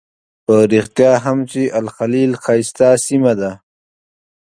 په رښتیا هم چې الخلیل ښایسته سیمه ده.